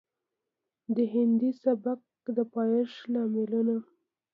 د هندي سبک د پايښت لاملونه